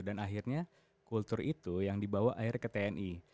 dan akhirnya kultur itu yang dibawa akhirnya ke tni